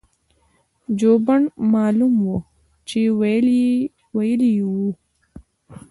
جوبن معلوم وو چې وييلي يې وو-